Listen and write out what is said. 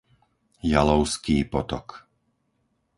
Jalovský potok